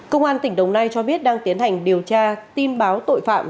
công an tỉnh đồng nai cho biết đang tiến hành điều tra tin báo tội phạm